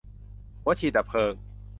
หัวฉีดดับเพลิง